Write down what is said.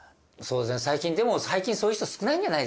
でも最近そういう人少ないんじゃないですか。